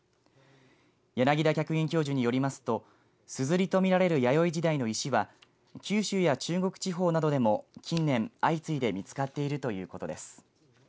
柳田客員教授によりますとすずりと見られる弥生時代の石は九州や中国地方などでも近年、相次いで見つかっているということです。